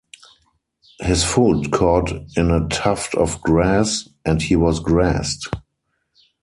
His foot caught in a tuft of grass, and he was grassed.